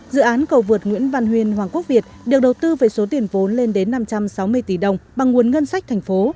dự án cầu vượt nguyễn văn huyền hoàng quốc việt được đầu tư với số tiền vốn lên đến năm trăm sáu mươi tỷ đồng bằng nguồn ngân sách thành phố